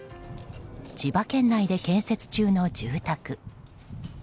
千葉県内で建設中の住宅。